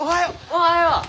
おはよう！